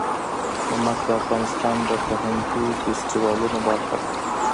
نمک د افغانستان د فرهنګي فستیوالونو برخه ده.